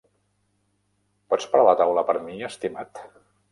Pots parar la taula per mi, estimat?